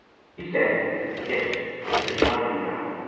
He said, "Yes—I shall do that.